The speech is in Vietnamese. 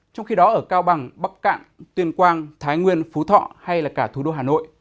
trong khi đó ở cao bằng bắc cạn tuyên quang thái nguyên phú thọ hay là cả thủ đô hà nội